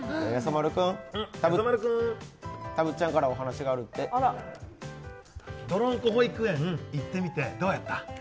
丸くんやさ丸くんたぶっちゃんからお話があるってどろんこ保育園行ってみてどうやった？